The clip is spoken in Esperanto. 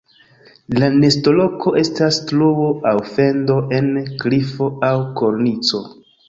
La nestoloko estas truo aŭ fendo en klifo aŭ kornico.